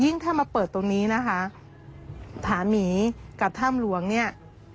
ยิ่งถ้ามาเปิดตรงนี้นะคะผามีกับท่ามหลวงเนี้ย